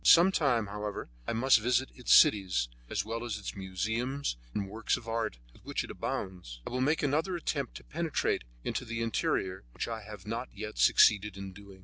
Some time, however, I must visit its cities, as well as the museums and works of art with which it abounds. I will make another attempt to penetrate into the interior, which I have not yet succeeded in doing.